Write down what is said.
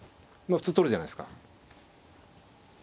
普通取るじゃないですか。